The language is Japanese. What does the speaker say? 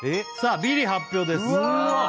ビリ発表ですうわ